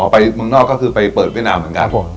ไปเมืองนอกก็คือไปเปิดเวียดนามเหมือนกัน